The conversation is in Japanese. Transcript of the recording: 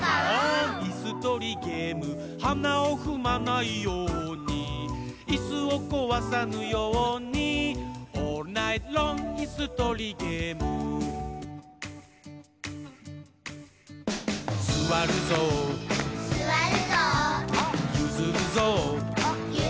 いすとりゲーム」「はなをふまないように」「いすをこわさぬように」「オールナイトロングいすとりゲーム」「すわるぞう」「ゆずるぞう」